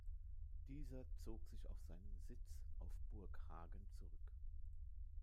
Dieser zog sich auf seinen Sitz auf Burg Hagen zurück.